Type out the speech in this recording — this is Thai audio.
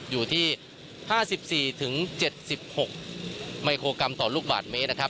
อยู่ที่๕๔๗๖มิโครกรัมต่อลูกบาทเมตรนะครับ